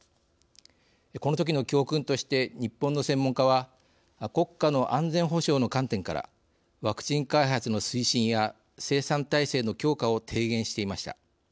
このときの教訓として日本の専門家は国家の安全保障の観点からワクチン開発の推進や生産体制の強化を提言していました。